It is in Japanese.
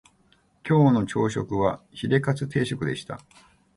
今日の朝食はヒレカツ定食でした